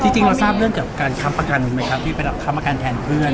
จริงเราทราบเรื่องกับการค้ำประกันไหมครับที่ไปรับประกันแทนเพื่อน